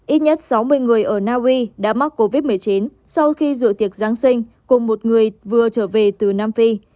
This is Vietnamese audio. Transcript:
ít nhất sáu mươi người ở naui đã mắc covid một mươi chín sau khi dự tiệc giáng sinh cùng một người vừa trở về từ nam phi